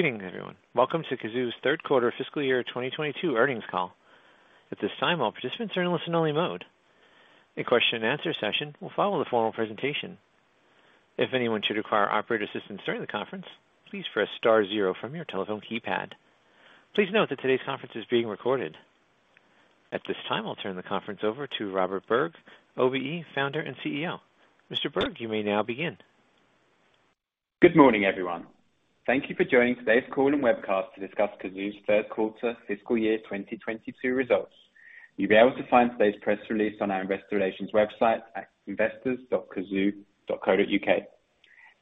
Greetings, everyone. Welcome to Cazoo's Q3 fiscal year 2022 earnings call. At this time, all participants are in listen only mode. A question and answer session will follow the formal presentation. If anyone should require operator assistance during the conference, please press star zero from your telephone keypad. Please note that today's conference is being recorded. At this time, I'll turn the conference over to Alex Chesterman, OBE, Founder and CEO. Mr. Robert Berg, you may now begin. Good morning, everyone. Thank you for joining today's call and webcast to discuss Cazoo's Q3 fiscal year 2022 results. You'll be able to find today's press release on our investor relations website at investors.cazoo.co.uk.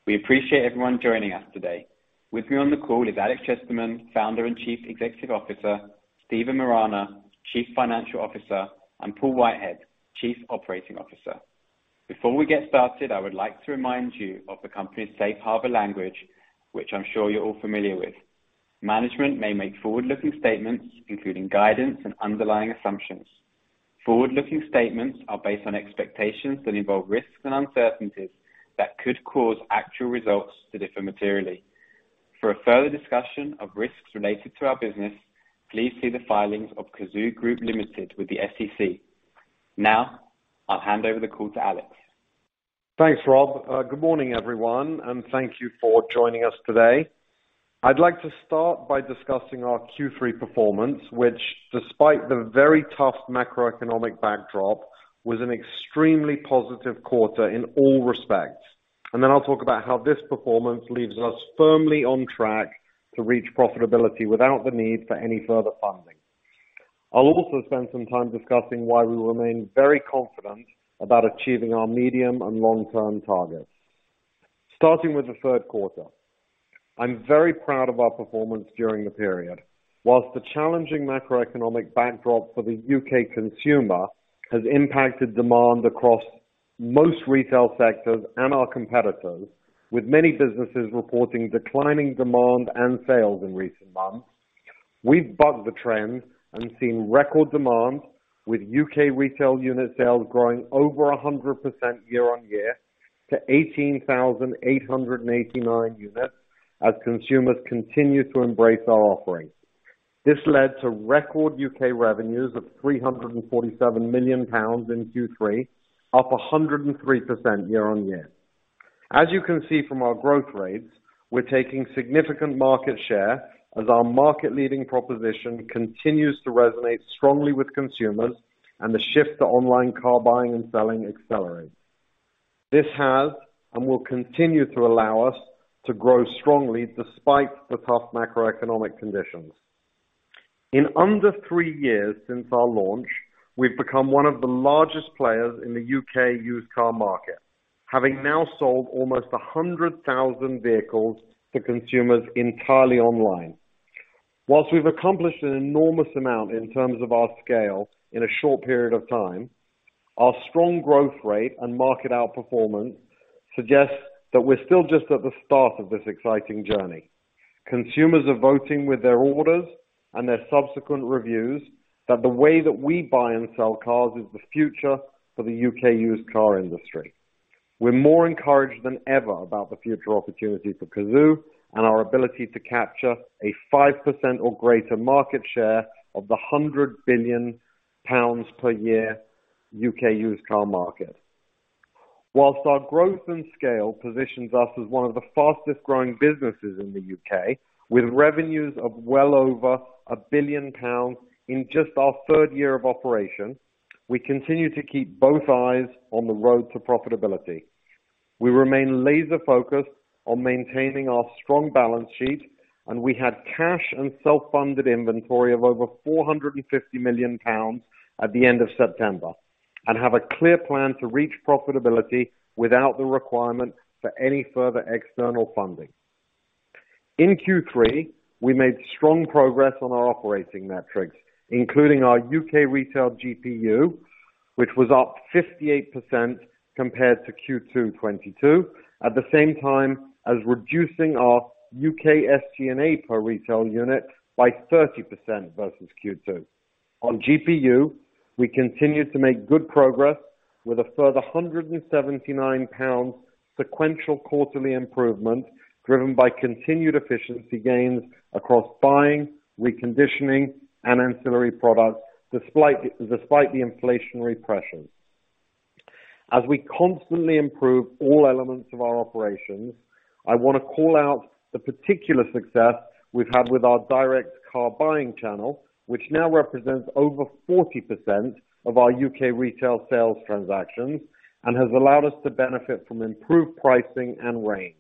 We appreciate everyone joining us today. With me on the call is Alex Chesterman, Founder and Chief Executive Officer, Stephen Morana, Chief Financial Officer, and Paul Whitehead, Chief Operating Officer. Before we get started, I would like to remind you of the company's safe harbor language, which I'm sure you're all familiar with. Management may make forward-looking statements, including guidance and underlying assumptions. Forward-looking statements are based on expectations that involve risks and uncertainties that could cause actual results to differ materially. For a further discussion of risks related to our business, please see the filings of Cazoo Group Ltd with the SEC. Now, I'll hand over the call to Alex. Thanks, Robert. Good morning, everyone, and thank you for joining us today. I'd like to start by discussing our Q3 performance, which despite the very tough macroeconomic backdrop, was an extremely positive quarter in all respects. I'll talk about how this performance leaves us firmly on track to reach profitability without the need for any further funding. I'll also spend some time discussing why we remain very confident about achieving our medium and long-term targets. Starting with the Q3. I'm very proud of our performance during the period. While the challenging macroeconomic backdrop for the UK consumer has impacted demand across most retail sectors and our competitors, with many businesses reporting declining demand and sales in recent months, we've bucked the trend and seen record demand with UK retail unit sales growing over 100% year-on-year to 18,889 units as consumers continue to embrace our offering. This led to record UK revenues of 347 million pounds in Q3, up 103% year-on-year. As you can see from our growth rates, we're taking significant market share as our market leading proposition continues to resonate strongly with consumers and the shift to online car buying and selling accelerates. This has and will continue to allow us to grow strongly despite the tough macroeconomic conditions. In under three years since our launch, we've become one of the largest players in the UK used car market, having now sold almost 100,000 vehicles to consumers entirely online. While we've accomplished an enormous amount in terms of our scale in a short period of time, our strong growth rate and market outperformance suggests that we're still just at the start of this exciting journey. Consumers are voting with their orders and their subsequent reviews that the way that we buy and sell cars is the future for the UK used car industry. We're more encouraged than ever about the future opportunity for Cazoo and our ability to capture a 5% or greater market share of the 100 billion pounds per year UK used car market. While our growth and scale positions us as one of the fastest-growing businesses in the UK with revenues of well over 1 billion pounds in just our third year of operation, we continue to keep both eyes on the road to profitability. We remain laser focused on maintaining our strong balance sheet, and we had cash and self-funded inventory of over 450 million pounds at the end of September, and have a clear plan to reach profitability without the requirement for any further external funding. In Q3, we made strong progress on our operating metrics, including our UK retail GPU, which was up 58% compared to Q2 2022, at the same time as reducing our UK SG&A per retail unit by 30% versus Q2. On GPU, we continued to make good progress with a further 179 pounds sequential quarterly improvement driven by continued efficiency gains across buying, reconditioning, and ancillary products, despite the inflationary pressures. As we constantly improve all elements of our operations, I want to call out the particular success we've had with our direct car buying channel, which now represents over 40% of our UK retail sales transactions and has allowed us to benefit from improved pricing and range.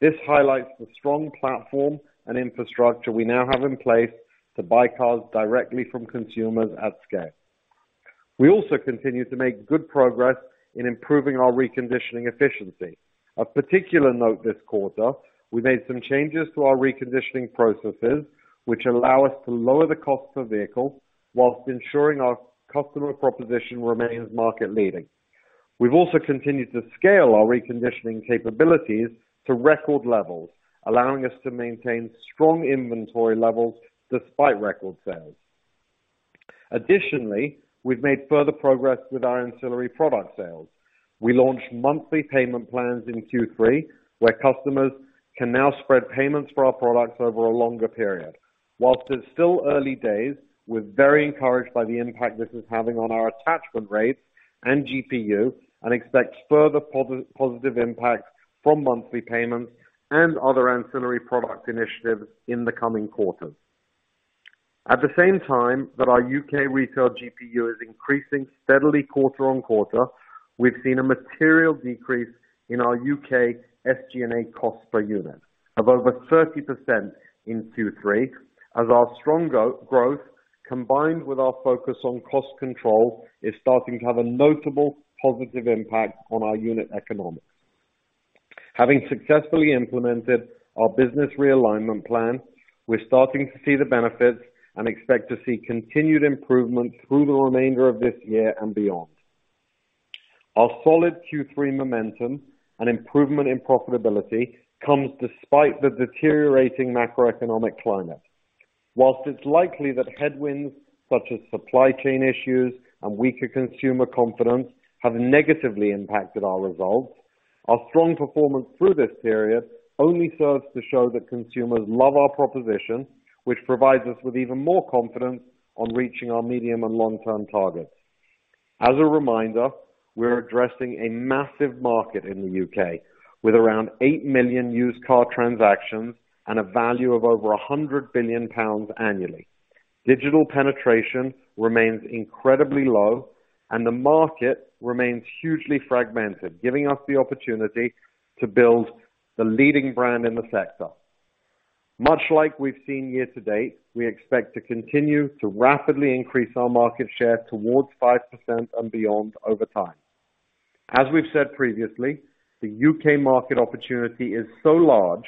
This highlights the strong platform and infrastructure we now have in place to buy cars directly from consumers at scale. We also continue to make good progress in improving our reconditioning efficiency. Of particular note this quarter, we made some changes to our reconditioning processes, which allow us to lower the cost per vehicle while ensuring our customer proposition remains market leading. We've also continued to scale our reconditioning capabilities to record levels, allowing us to maintain strong inventory levels despite record sales. Additionally, we've made further progress with our ancillary product sales. We launched monthly payment plans in Q3, where customers can now spread payments for our products over a longer period. While it's still early days, we're very encouraged by the impact this is having on our attachment rates and GPU, and expect further positive impacts from monthly payments and other ancillary product initiatives in the coming quarters. At the same time that our UK retail GPU is increasing steadily quarter-on-quarter, we've seen a material decrease in our UK SG&A cost per unit of over 30% in Q3 as our strong growth, combined with our focus on cost control, is starting to have a notable positive impact on our unit economics. Having successfully implemented our business realignment plan, we're starting to see the benefits and expect to see continued improvement through the remainder of this year and beyond. Our solid Q3 momentum and improvement in profitability comes despite the deteriorating macroeconomic climate. While it's likely that headwinds such as supply chain issues and weaker consumer confidence have negatively impacted our results, our strong performance through this period only serves to show that consumers love our proposition, which provides us with even more confidence on reaching our medium and long-term targets. As a reminder, we're addressing a massive market in the UK with around 8 million used car transactions and a value of over 100 billion pounds annually. Digital penetration remains incredibly low, and the market remains hugely fragmented, giving us the opportunity to build the leading brand in the sector. Much like we've seen year-to-date, we expect to continue to rapidly increase our market share towards 5% and beyond over time. As we've said previously, the UK market opportunity is so large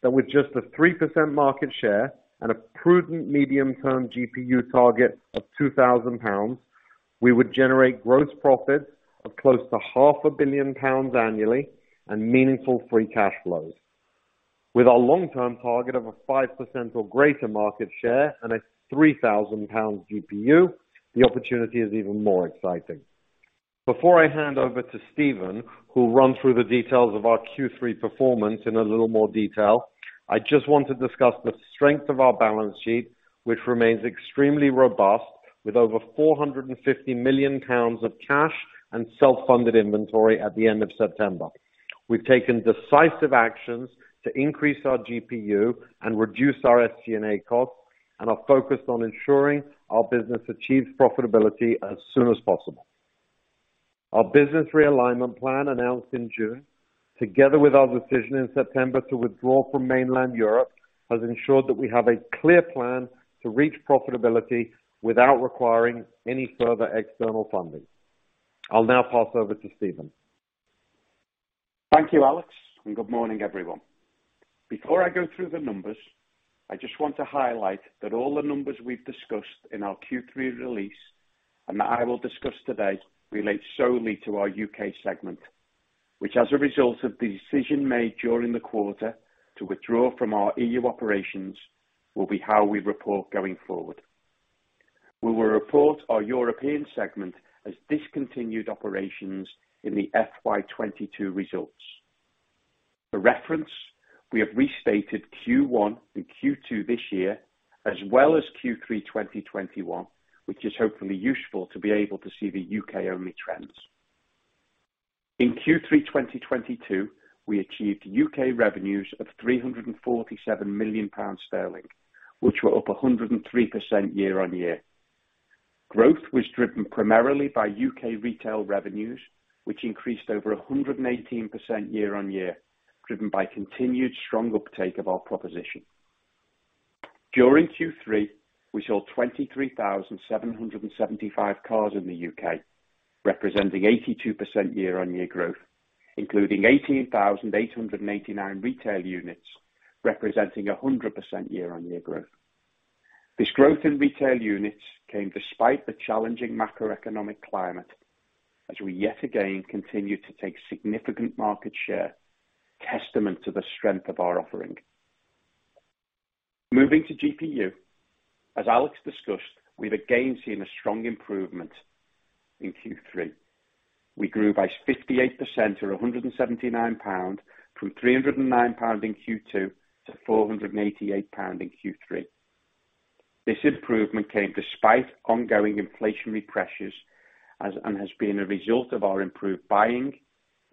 that with just a 3% market share and a prudent medium-term GPU target of 2,000 pounds, we would generate gross profits of close to half a billion GBP annually and meaningful free cash flows. With our long-term target of a 5% or greater market share and a 3,000 pounds GPU, the opportunity is even more exciting. Before I hand over to Stephen, who'll run through the details of our Q3 performance in a little more detail, I just want to discuss the strength of our balance sheet, which remains extremely robust with over 450 million pounds of cash and self-funded inventory at the end of September. We've taken decisive actions to increase our GPU and reduce our SG&A costs, and are focused on ensuring our business achieves profitability as soon as possible. Our business realignment plan announced in June, together with our decision in September to withdraw from mainland Europe, has ensured that we have a clear plan to reach profitability without requiring any further external funding. I'll now pass over to Stephen. Thank you, Alex, and good morning, everyone. Before I go through the numbers, I just want to highlight that all the numbers we've discussed in our Q3 release and that I will discuss today relate solely to our UK segment, which as a result of the decision made during the quarter to withdraw from our EU operations, will be how we report going forward. We will report our European segment as discontinued operations in the FY 2022 results. For reference, we have restated Q1 and Q2 this year, as well as Q3 2021, which is hopefully useful to be able to see the UK-only trends. In Q3 2022, we achieved UK revenues of 347 million sterling, which were up 103% year-on-year. Growth was driven primarily by UK retail revenues, which increased over 118% year-on-year, driven by continued strong uptake of our proposition. During Q3, we sold 23,775 cars in the UK, representing 82% year-on-year growth, including 18,889 retail units, representing 100% year-on-year growth. This growth in retail units came despite the challenging macroeconomic climate, as we yet again continued to take significant market share, testament to the strength of our offering. Moving to GPU, as Alex discussed, we've again seen a strong improvement in Q3. We grew by 58% or 179 pound from 309 pound in Q2 to 488 pound in Q3. This improvement came despite ongoing inflationary pressures, and has been a result of our improved buying,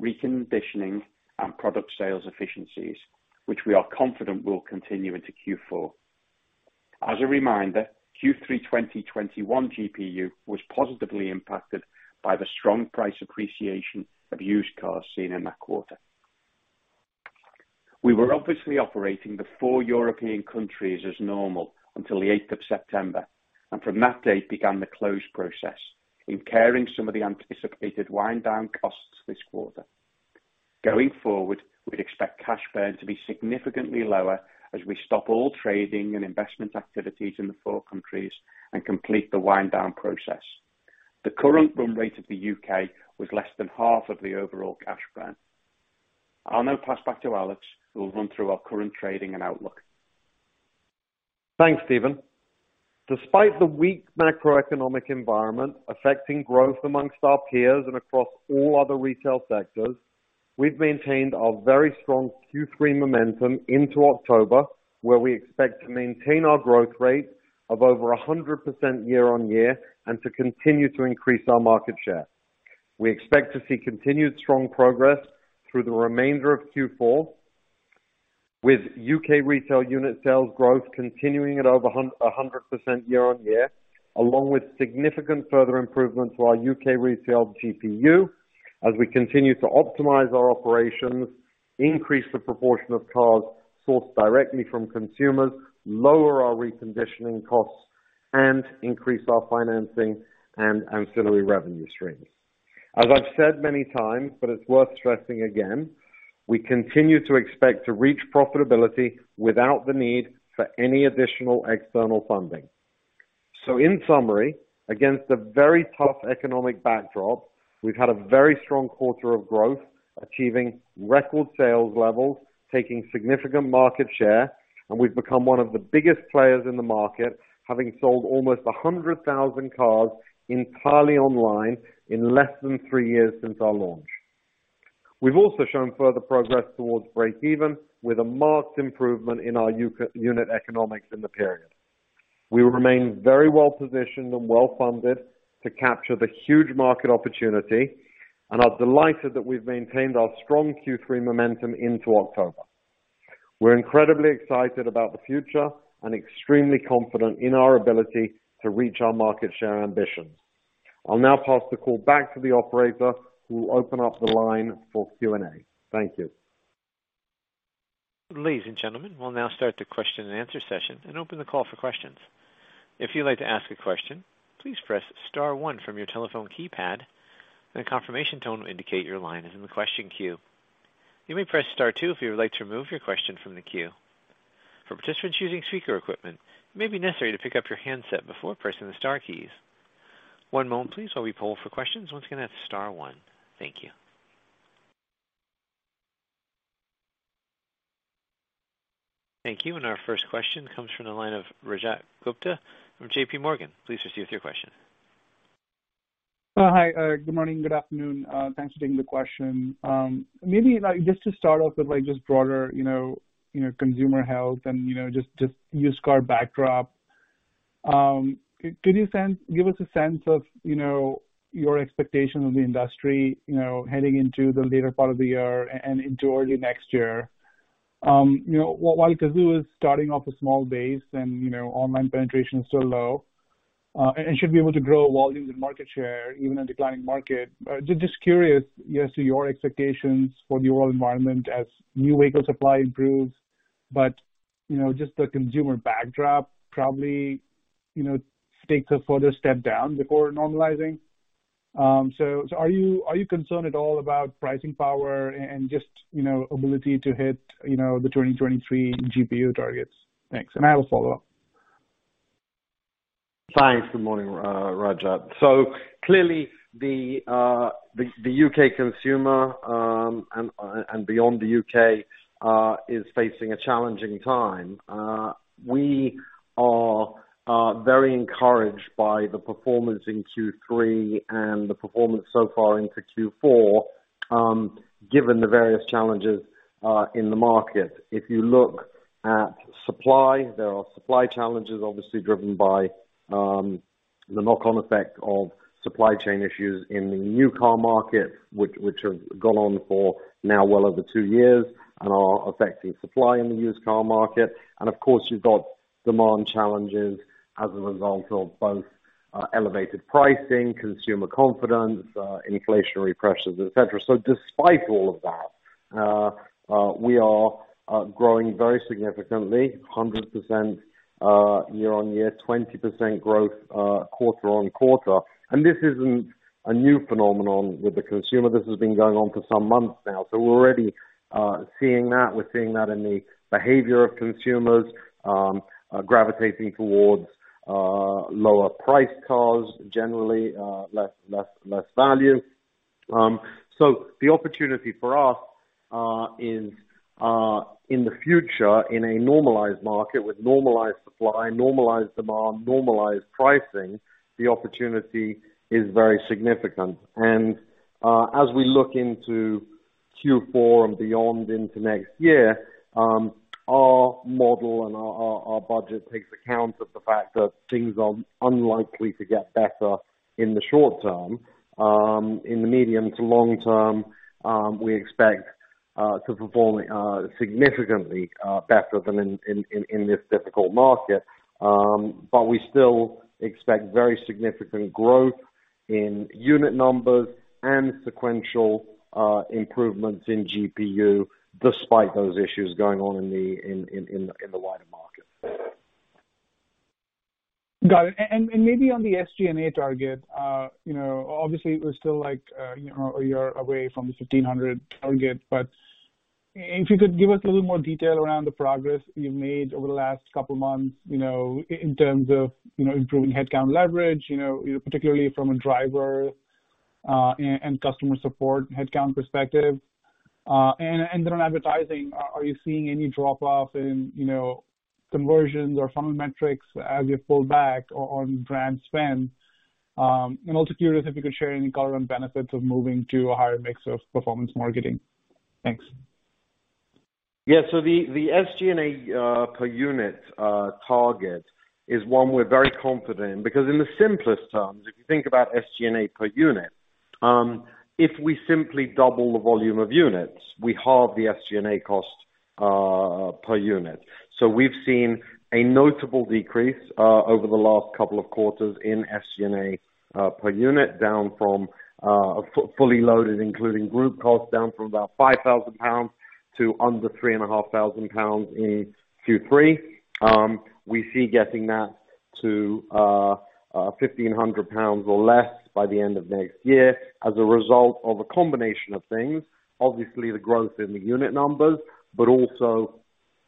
reconditioning, and product sales efficiencies, which we are confident will continue into Q4. As a reminder, Q3 2021 GPU was positively impacted by the strong price appreciation of used cars seen in that quarter. We were obviously operating the four European countries as normal until the eighth of September, and from that date began the close process, incurring some of the anticipated wind-down costs this quarter. Going forward, we'd expect cash burn to be significantly lower as we stop all trading and investment activities in the four countries and complete the wind-down process. The current run rate of the UK was less than half of the overall cash burn. I'll now pass back to Alex, who will run through our current trading and outlook. Thanks, Stephen. Despite the weak macroeconomic environment affecting growth among our peers and across all other retail sectors, we've maintained our very strong Q3 momentum into October, where we expect to maintain our growth rate of over 100% year-on-year and to continue to increase our market share. We expect to see continued strong progress through the remainder of Q4, with UK retail unit sales growth continuing at over 100% year-on-year, along with significant further improvements to our UK retail GPU as we continue to optimize our operations, increase the proportion of cars sourced directly from consumers, lower our reconditioning costs, and increase our financing and ancillary revenue streams. As I've said many times, but it's worth stressing again, we continue to expect to reach profitability without the need for any additional external funding. In summary, against a very tough economic backdrop, we've had a very strong quarter of growth, achieving record sales levels, taking significant market share, and we've become one of the biggest players in the market, having sold almost 100,000 cars entirely online in less than three years since our launch. We've also shown further progress towards breakeven with a marked improvement in our unit economics in the period. We remain very well positioned and well-funded to capture the huge market opportunity, and are delighted that we've maintained our strong Q3 momentum into October. We're incredibly excited about the future and extremely confident in our ability to reach our market share ambitions. I'll now pass the call back to the operator who will open up the line for Q&A. Thank you. Ladies and gentlemen, we'll now start the question and answer session and open the call for questions. If you'd like to ask a question, please press star one from your telephone keypad and a confirmation tone will indicate your line is in the question queue. You may press star two if you would like to remove your question from the queue. For participants using speaker equipment, it may be necessary to pick up your handset before pressing the star keys. One moment please, while we poll for questions. Once again, that's star one. Thank you. Thank you. Our first question comes from the line of Rajat Gupta from J.P. Morgan. Please proceed with your question. Hi. Good morning, good afternoon. Thanks for taking the question. Maybe like just to start off with like just broader consumer health and just used car backdrop. Can you give us a sense of your expectation of the industry heading into the later part of the year and into early next year? While Cazoo is starting off a small base and online penetration is still low, and should be able to grow volumes and market share even in declining market. Just curious as to your expectations for the overall environment as new vehicle supply improves, but just the consumer backdrop probably takes a further step down before normalizing. Are you concerned at all about pricing power and just ability to hit the 2023 GPU targets? Thanks. I will follow up. Thanks. Good morning, Rajat. So clearly the UK consumer and beyond the UK is facing a challenging time. We are very encouraged by the performance in Q3 and the performance so far into Q4, given the various challenges in the market. If you look at supply, there are supply challenges obviously driven by the knock-on effect of supply chain issues in the new car market, which have gone on for now well over two years and are affecting supply in the used car market. Of course, you've got demand challenges as a result of both elevated pricing, consumer confidence, inflationary pressures, et cetera. So despite all of that, we are growing very significantly 100% year-on-year, 20% growth quarter-on-quarter. This isn't a new phenomenon with the consumer. This has been going on for some months now. We're already seeing that. We're seeing that in the behavior of consumers gravitating towards lower priced cars, generally, less value. The opportunity for us in the future in a normalized market with normalized supply, normalized demand, normalized pricing, the opportunity is very significant. As we look into Q4 and beyond into next year, our model and our budget takes account of the fact that things are unlikely to get better in the short term. In the medium to long term, we expect to perform significantly better than in this difficult market. We still expect very significant growth in unit numbers and sequential improvements in GPU despite those issues going on in the. In the wider market. Got it. Maybe on the SG&A target obviously we're still like a year away from the 1,500 target. If you could give us a little more detail around the progress you've made over the last couple of months in terms of improving headcount leverage particularly from a driver and customer support headcount perspective. Then on advertising, are you seeing any drop off in conversions or funnel metrics as you pull back on brand spend? I'm also curious if you could share any color and benefits of moving to a higher mix of performance marketing. Thanks. Yeah. The SG&A per unit target is one we're very confident in. In the simplest terms, if you think about SG&A per unit, if we simply double the volume of units, we halve the SG&A cost per unit. We've seen a notable decrease over the last couple of quarters in SG&A per unit, down from fully loaded, including group costs, about 5 thousand pounds to under 3.5 thousand pounds in Q3. We see getting that to 1,500 pounds or less by the end of next year as a result of a combination of things. Obviously, the growth in the unit numbers, but also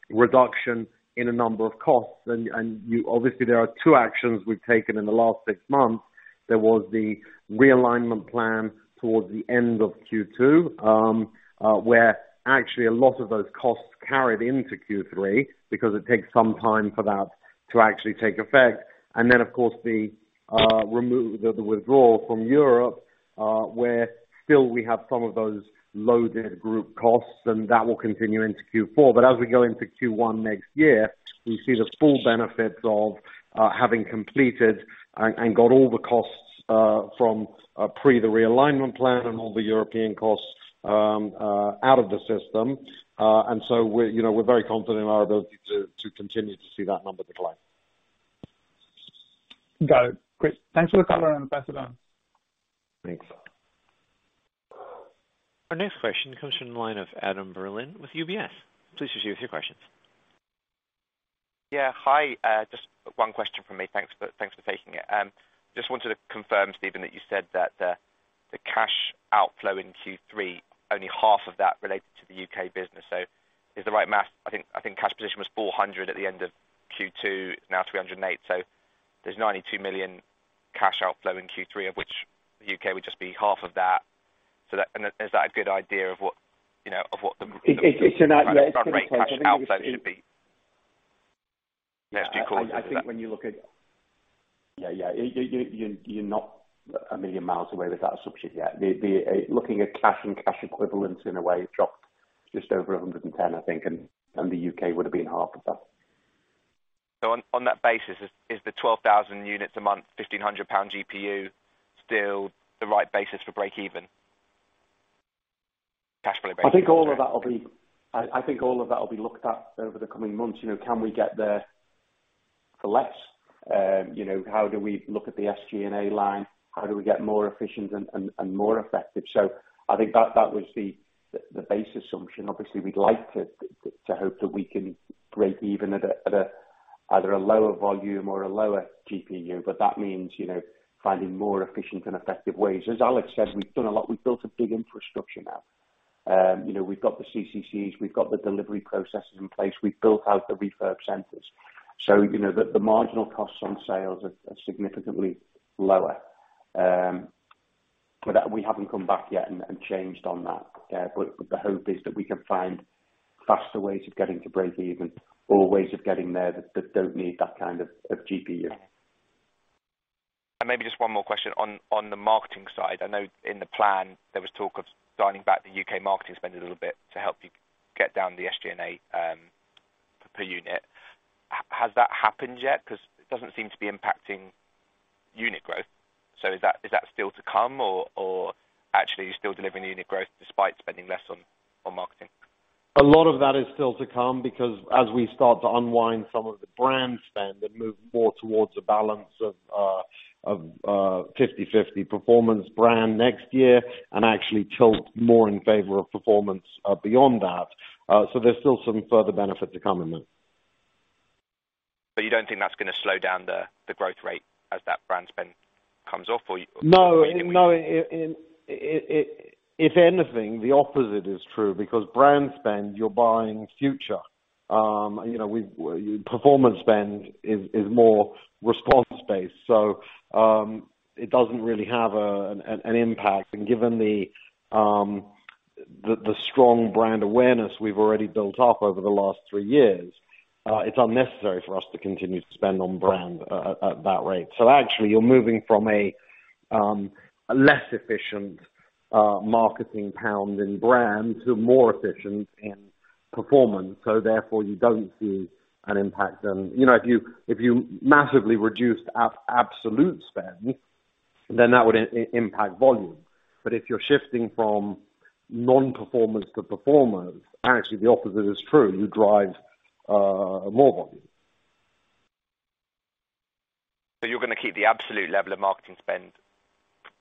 reduction in a number of costs. Obviously, there are two actions we've taken in the last six months. There was the realignment plan towards the end of Q2, where actually a lot of those costs carried into Q3 because it takes some time for that to actually take effect. Then, of course, the withdrawal from Europe, where still we have some of those loaded group costs, and that will continue into Q4. As we go into Q1 next year, we see the full benefits of having completed and got all the costs from pre the realignment plan and all the European costs out of the system. We're very confident in our ability to continue to see that number decline. Got it. Great. Thanks for the color and pass it on. Thanks. Our next question comes from the line of Adam Berlin with UBS. Please proceed with your questions. Yeah. Hi. Just one question from me. Thanks for taking it. Just wanted to confirm, Stephen, that you said that the cash outflow in Q3, only half of that related to the UK business. I think cash position was 400 at the end of Q2, now 308. There's 92 million cash outflow in Q3, of which the UK would just be half of that. Is that a good idea of what of what the Yeah. Front rate cash outflow should be next few quarters? Is that I think when you look at. Yeah. You're not a million miles away with that assumption. Yeah. Looking at cash and cash equivalents in a way dropped just over 110, I think, and the U.K. would have been half of that. On that basis, is the 12,000 units a month, 1,500 pound GPU still the right basis for break even? Cash flow break even. I think all of that will be looked at over the coming months. Can we get there for less? How do we look at the SG&A line? How do we get more efficient and more effective? I think that was the base assumption. Obviously, we'd like to hope that we can break even at either a lower volume or a lower GPU, but that means finding more efficient and effective ways. As Alex said, we've done a lot. We've built a big infrastructure now. We've got the CCCs, we've got the delivery processes in place. We've built out the refurb centers. The marginal costs on sales are significantly lower. We haven't come back yet and changed on that. The hope is that we can find faster ways of getting to break even or ways of getting there that don't need that kind of GPU. Maybe just one more question on the marketing side. I know in the plan there was talk of dialing back the UK marketing spend a little bit to help you get down the SG&A per unit. Has that happened yet? 'Cause it doesn't seem to be impacting unit growth. Is that still to come or actually are you still delivering unit growth despite spending less on marketing? A lot of that is still to come because as we start to unwind some of the brand spend and move more towards a balance of 50/50 performance brand next year and actually tilt more in favor of performance, beyond that. There's still some further benefit to come in there. you don't think that's going to slow down the growth rate as that brand spend comes off or you- No. If anything, the opposite is true because brand spend, you're buying future. Performance spend is more response-based. It doesn't really have an impact. Given the strong brand awareness we've already built up over the last three years, it's unnecessary for us to continue to spend on brand at that rate. Actually you're moving from a less efficient marketing pound in brand to more efficient in performance. Therefore, you don't see an impact. If you massively reduced absolute spend, then that would impact volume. If you're shifting from non-performance to performance, actually the opposite is true. You drive more volume. You're going to keep the absolute level of marketing spend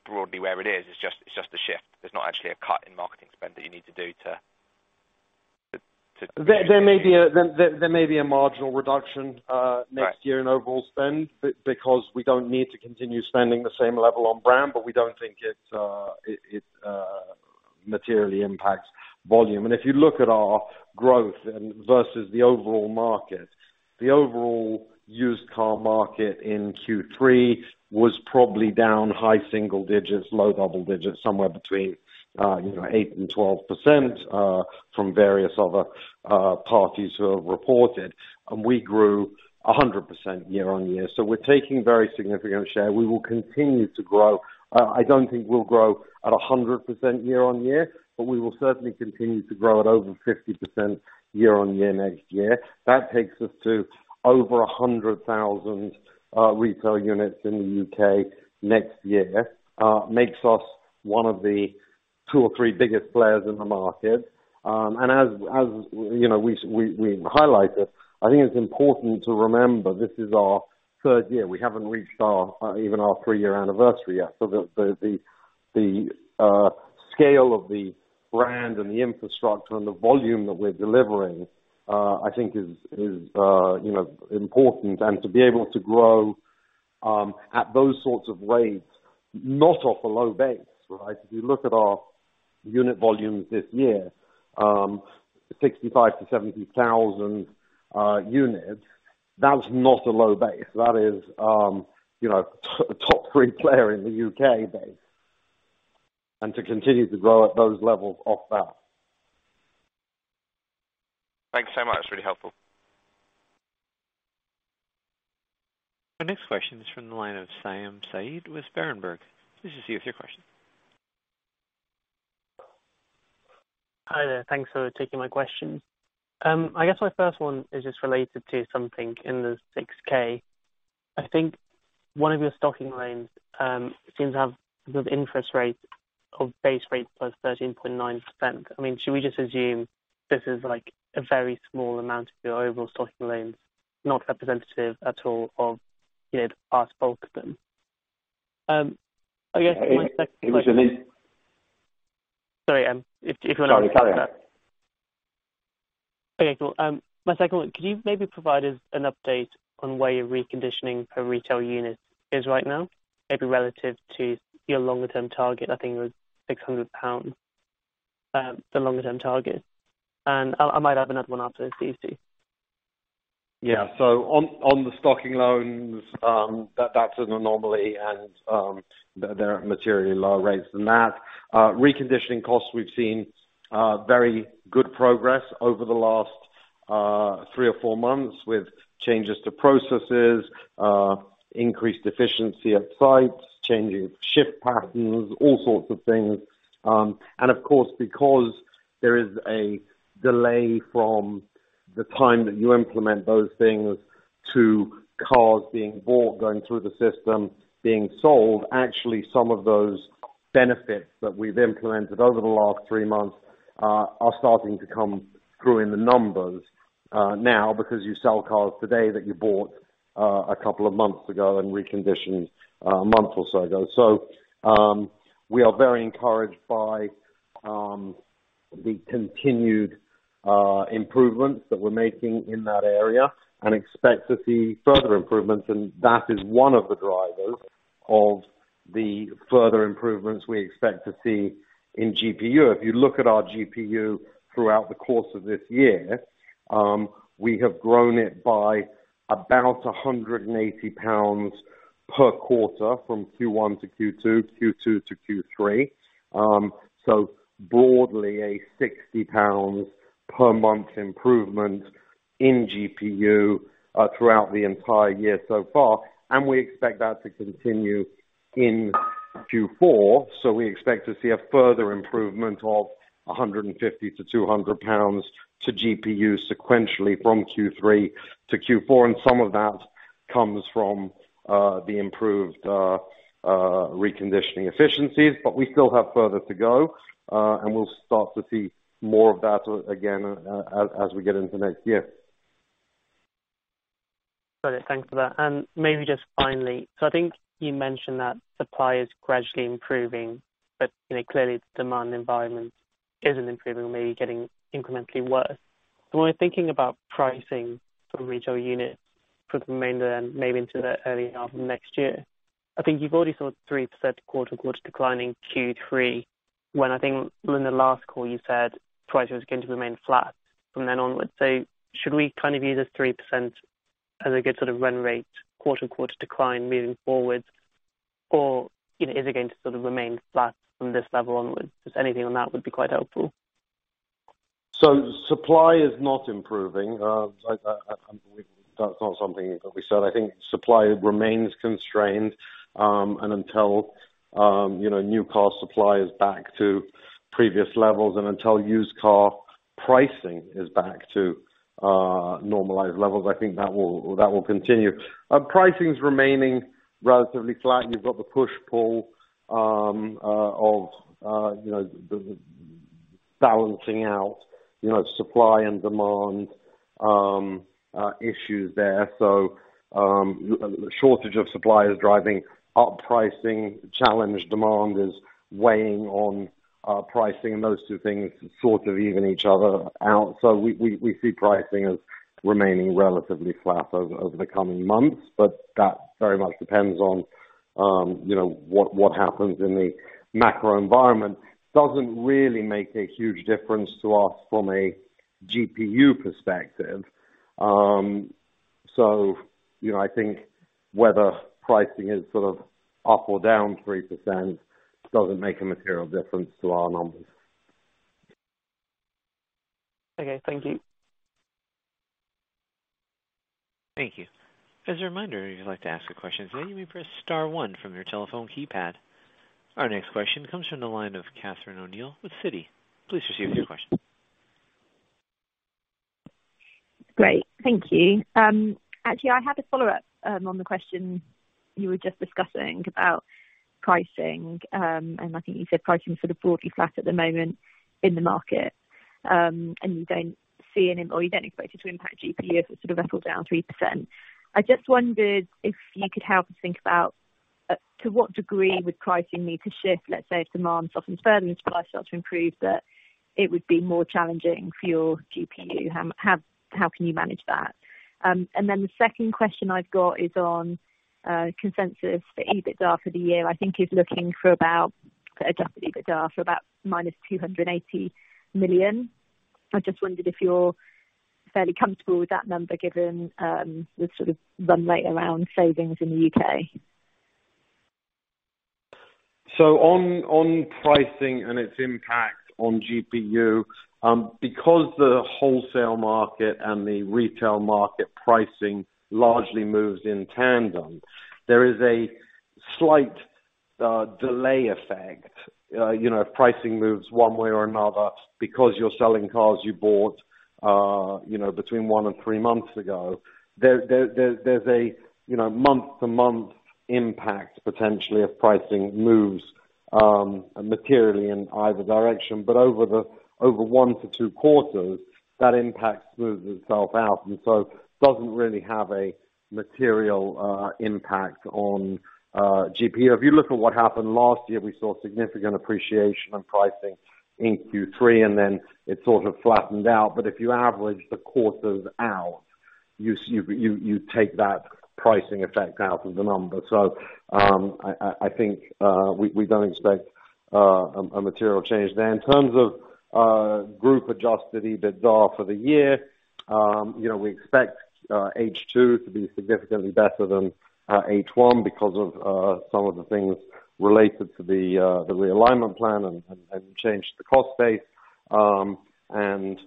broadly where it is. It's just a shift. There's not actually a cut in marketing spend that you need to do. There may be a marginal reduction. Right. Next year in overall spend because we don't need to continue spending the same level on brand, but we don't think it materially impacts volume. If you look at our growth versus the overall market, the overall used car market in Q3 was probably down high single digits, low double digits, somewhere between 8% and 12% from various other parties who have reported. We grew 100% year-on-year. We're taking very significant share. We will continue to grow. I don't think we'll grow at 100% year-on-year, but we will certainly continue to grow at over 50% year-on-year next year. That takes us to over 100,000 retail units in the UK next year. Makes us one of the two or three biggest players in the market. As we highlighted, I think it's important to remember this is our third year. We haven't reached even our three-year anniversary yet. The scale of the brand and the infrastructure and the volume that we're delivering, I think is you know important and to be able to grow at those sorts of rates, not off a low base, right? If you look at our unit volumes this year, 65,000-70,000 units, that's not a low base. That is top three player in the U.K. base. To continue to grow at those levels off that. Thanks so much. Really helpful. Our next question is from the line of Saim Hamid with Berenberg. This is you with your question. Hi there. Thanks for taking my question. I guess my first one is just related to something in the 6-K. I think one of your stocking loans seems to have the interest rate of base rate plus 13.9%. I mean, should we just assume this is like a very small amount of your overall stocking loans, not representative at all of our bulk of them? I guess my second- It was a li Okay, cool. My second one, could you maybe provide us an update on where your reconditioning per retail unit is right now? Maybe relative to your longer-term target. I think it was 600 pounds, the longer term target. I might have another one after this if that's easy. Yeah. On the stocking loans, that's an anomaly and there are materially lower rates than that. Reconditioning costs we've seen very good progress over the last three or four months with changes to processes, increased efficiency at sites, changing shift patterns, all sorts of things. Of course, because there is a delay from the time that you implement those things to cars being bought, going through the system, being sold. Actually, some of those benefits that we've implemented over the last three months are starting to come through in the numbers now because you sell cars today that you bought a couple of months ago and reconditioned a month or so ago. We are very encouraged by the continued improvements that we're making in that area and expect to see further improvements. That is one of the drivers of the further improvements we expect to see in GPU. If you look at our GPU throughout the course of this year, we have grown it by about 180 pounds per quarter from Q1 to Q2 to Q3. Broadly 60 pounds per month improvement in GPU throughout the entire year so far. We expect that to continue in Q4. We expect to see a further improvement of 150-200 pounds to GPU sequentially from Q3 to Q4. Some of that comes from the improved reconditioning efficiencies, but we still have further to go, and we'll start to see more of that again as we get into next year. Got it. Thanks for that. Maybe just finally. I think you mentioned that supply is gradually improving, but you know clearly the demand environment isn't improving, maybe getting incrementally worse. When we're thinking about pricing for retail units for the remainder and maybe into the early half of next year. I think you've already saw 3% quarter-over-quarter decline in Q3 when I think in the last call you said twice it was going to remain flat from then onwards. Should we kind of use this 3% as a good sort of run rate quarter-over-quarter decline moving forward? or is it going to sort of remain flat from this level onwards? Just anything on that would be quite helpful. Supply is not improving. That's not something that we said. I think supply remains constrained until you know new car supply is back to previous levels and until used car pricing is back to normalized levels. I think that will continue. Pricing is remaining relatively flat. You've got the push-pull of you know the balancing out you know supply and demand issues there. Shortage of supply is driving up pricing. Demand is weighing on pricing and those two things sort of even each other out. We see pricing as remaining relatively flat over the coming months, but that very much depends on you know what happens in the macro environment. Doesn't really make a huge difference to us from a GPU perspective. I think whether pricing is sort of up or down 3% doesn't make a material difference to our numbers. Okay. Thank you. Thank you. As a reminder, if you'd like to ask a question today, you may press star one from your telephone keypad. Our next question comes from the line of Catherine O'Neill with Citi. Please proceed with your question. Great. Thank you. Actually, I have a follow-up on the question you were just discussing about pricing. I think you said pricing is sort of broadly flat at the moment in the market. You don't see any or you don't expect it to impact GPU if it's sort of up or down 3%. I just wondered if you could help us think about to what degree would pricing need to shift, let's say, if demand softens further and supply starts to improve, that it would be more challenging for your GPU. How can you manage that? The second question I've got is on consensus for EBITDA for the year. I think it's looking for about adjusted EBITDA for about -280 million. I just wondered if you're fairly comfortable with that number given, the sort of run rate around savings in the UK? On pricing and its impact on GPU, because the wholesale market and the retail market pricing largely moves in tandem, there is a slight delay effect. If pricing moves one way or another because you're selling cars you bought between 1 and 3 months ago, there's a month to month impact potentially if pricing moves materially in either direction. But over 1-2 quarters, that impact smooths itself out. Doesn't really have a material impact on GPU. If you look at what happened last year, we saw significant appreciation on pricing in Q3, and then it sort of flattened out. If you average the quarters out, you take that pricing effect out of the number. I think we don't expect a material change there. In terms of group adjusted EBITDA for the year we expect H2 to be significantly better than H1 because of some of the things related to the realignment plan and change to the cost base. That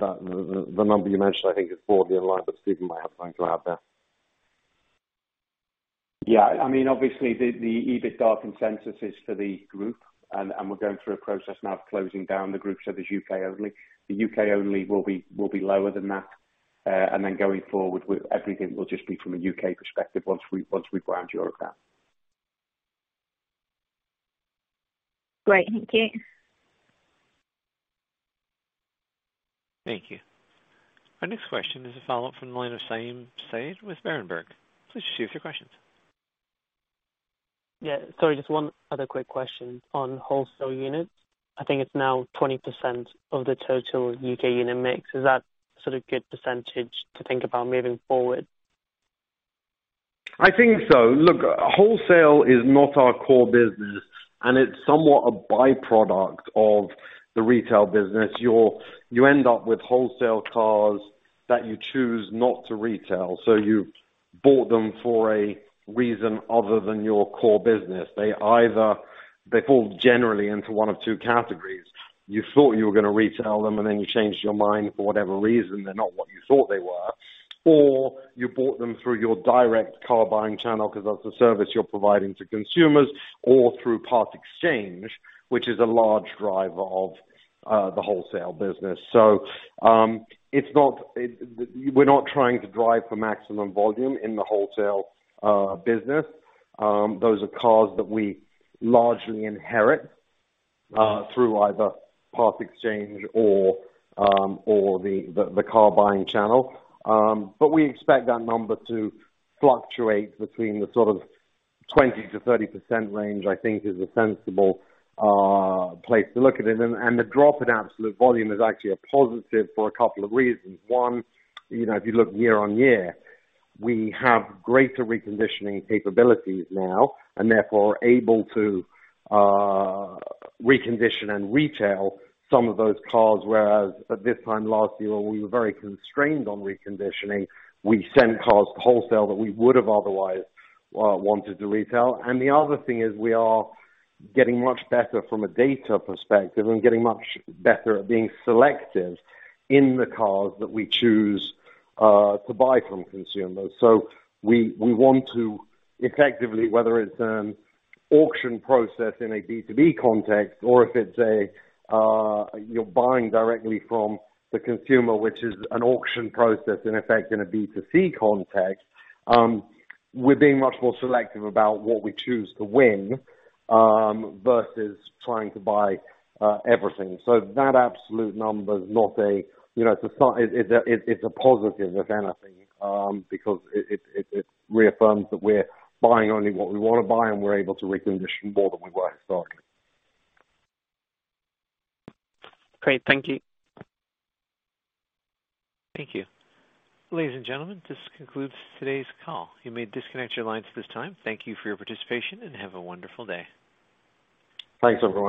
the number you mentioned, I think is for the alignment. Stephen might have something to add there. Yeah. I mean, obviously the EBITDA consensus is for the group, and we're going through a process now of closing down the group, so there's UK only. The UK only will be lower than that. Going forward with everything will just be from a UK perspective once we ground Europe out. Great. Thank you. Thank you. Our next question is a follow-up from the line of Saim Saeed with Berenberg. Please proceed with your questions. Yeah. Sorry. Just one other quick question on wholesale units. I think it's now 20% of the total UK unit mix. Is that sort of good percentage to think about moving forward? I think so. Look, wholesale is not our core business, and it's somewhat a by-product of the retail business. You end up with wholesale cars that you choose not to retail, so you've bought them for a reason other than your core business. They fall generally into one of two categories. You thought you were going to retail them, and then you changed your mind for whatever reason. They're not what you thought they were. Or you bought them through your direct car buying channel because that's the service you're providing to consumers or through part exchange, which is a large driver of the wholesale business. So, it's not. We're not trying to drive for maximum volume in the wholesale business. Those are cars that we largely inherit through either part exchange or the car buying channel. We expect that number to fluctuate between the sort of 20%-30% range I think is a sensible place to look at it. The drop in absolute volume is actually a positive for a couple of reasons. one if you look year-on-year, we have greater reconditioning capabilities now and therefore are able to recondition and retail some of those cars. Whereas at this time last year, we were very constrained on reconditioning. We sent cars to wholesale that we would have otherwise wanted to retail. The other thing is we are getting much better from a data perspective and getting much better at being selective in the cars that we choose to buy from consumers. We want to effectively, whether it's an auction process in a B2B context or if you're buying directly from the consumer, which is an auction process in effect in a B2C context, we're being much more selective about what we choose to win versus trying to buy everything. That absolute number is not a it's a positive if anything, because it reaffirms that we're buying only what we want to buy and we're able to recondition more than we were historically. Great. Thank you. Thank you. Ladies and gentlemen, this concludes today's call. You may disconnect your lines at this time. Thank you for your participation, and have a wonderful day. Thanks, everyone.